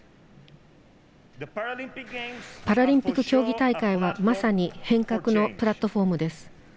パラリンピック競技大会はまさに変革のプラットフォームです。